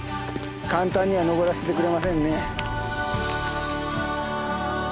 簡単には登らせてくれませんね。